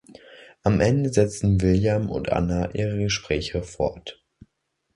Am Ende setzen William und Anna ihre Gespräche fort.